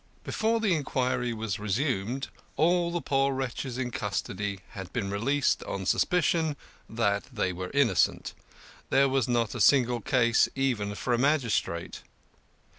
III Before the inquiry was resumed, all the poor wretches in custody had been released on suspicion that they were innocent; there was not a single case even for a magistrate.